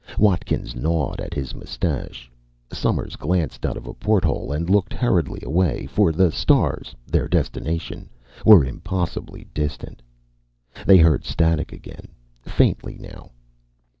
Watkins gnawed at his mustache. Somers glanced out a porthole and looked hurriedly away, for the stars, their destination, were impossibly distant. They heard static again, faintly now.